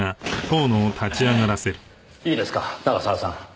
いいですか永沢さん。